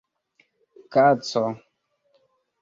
kaco